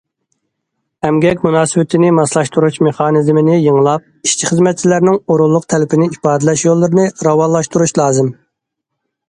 ئەمگەك مۇناسىۋىتىنى ماسلاشتۇرۇش مېخانىزمىنى يېڭىلاپ، ئىشچى- خىزمەتچىلەرنىڭ ئورۇنلۇق تەلىپىنى ئىپادىلەش يوللىرىنى راۋانلاشتۇرۇش لازىم.